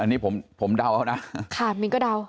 อันนี้ผมเดาเอานะค่ะมินก็เดา